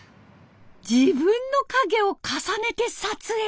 自分の影を重ねて撮影。